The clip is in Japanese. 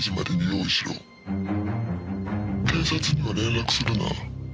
「警察には連絡するな」